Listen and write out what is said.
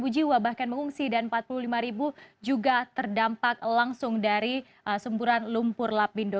dua puluh jiwa bahkan mengungsi dan empat puluh lima ribu juga terdampak langsung dari semburan lumpur lapindo